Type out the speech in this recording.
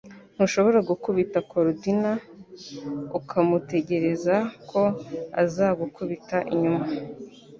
Ntushobora gukubita Korodina ukamutegereza ko atazagukubita inyuma